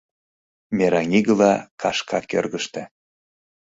Мераҥигыла кашка кӧргыштӧ